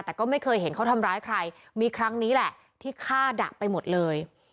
แต่ก็ไม่เคยเห็นเขาทำร้ายใครมีครั้งนี้แหละที่ฆ่าดะไปหมดเลย